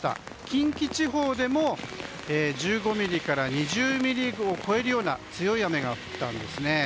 近畿地方でも１５ミリから２０ミリを超えるような強い雨が降ったんですね。